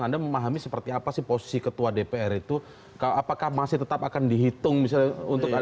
anda memahami seperti apa sih posisi ketua dpr itu apakah masih tetap akan dihitung misalnya untuk anda